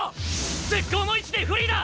絶好の位置でフリーだ！